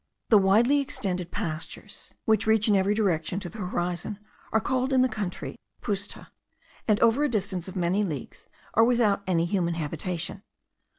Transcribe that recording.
The widely extended pastures, which reach in every direction to the horizon, are called in the country, Puszta, and, over a distance of many leagues, are without any human habitation.